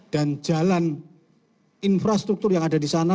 dan jalan infrastruktur yang ada di sana